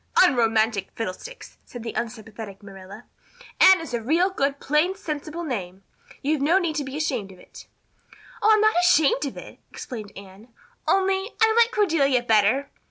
"Unromantic fiddlesticks!" said the unsympathetic Marilla. "Anne is a real good plain sensible name. You've no need to be ashamed of it." "Oh, I'm not ashamed of it," explained Anne, "only I like Cordelia better.